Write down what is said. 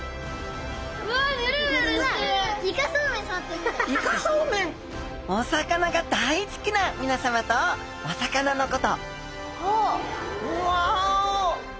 今回はお魚が大好きなみなさまとお魚のことワオ！